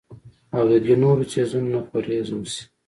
او د دې نورو څيزونو نه پرهېز اوشي